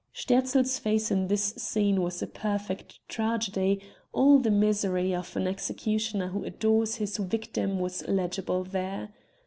Sterzl's face in this scene was a perfect tragedy, all the misery of an executioner who adores his victim was legible there.